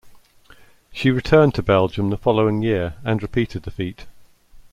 She returned to Belgium the following year and repeated the feat.